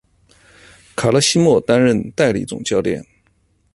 卡勒西莫担任代理总教练。